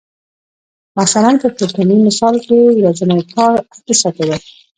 مثلاً په پورتني مثال کې ورځنی کار اته ساعته دی